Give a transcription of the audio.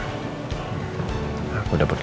aku dapur dulu